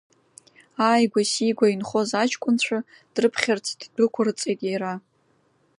Ааигәа-сигәа инхоз аҷкәынцәа дрыԥхьарц ддәықәырҵеит иара.